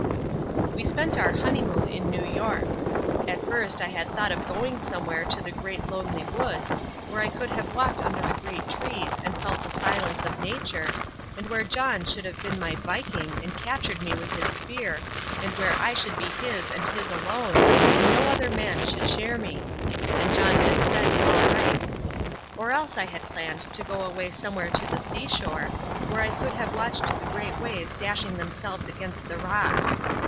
We spent our honeymoon in New York. At first I had thought of going somewhere to the great lonely woods, where I could have walked under the great trees and felt the silence of nature, and where John should have been my Viking and captured me with his spear, and where I should be his and his alone and no other man should share me; and John had said all right. Or else I had planned to go away somewhere to the seashore, where I could have watched the great waves dashing themselves against the rocks.